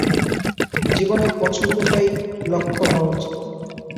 জীবনে পছন্দটাই লক্ষ হওয়া উচিত।